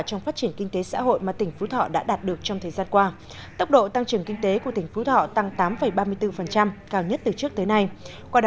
trong phát triển kinh tế xã hội mà tỉnh phú thọ đã đạt được trong thời gian qua